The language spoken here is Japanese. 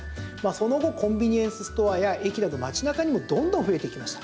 その後コンビニエンスストアや駅など街の中にもどんどん増えていきました。